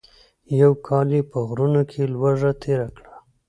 یو کال یې په غرونو کې لوږه تېره کړه.